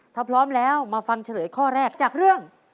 ถ้าพร้อมแล้วมาฟังเฉลยข้อแรกจากเรื่อง